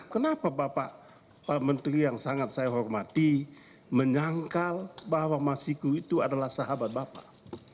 kenapa bapak menteri yang sangat saya hormati menyangkal bahwa masiku itu adalah sahabat bapak